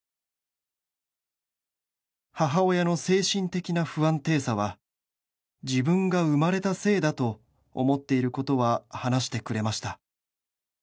「母親の精神的な不安定さは“自分が生まれたせいだ”と思っていることは話してくれました」